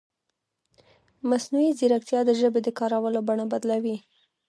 مصنوعي ځیرکتیا د ژبې د کارولو بڼه بدلوي.